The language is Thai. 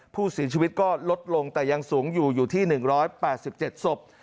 ผู้เสียชีวิตก็ลดลงแต่ยังสูงอยู่อยู่ที่๑๘๗ศพ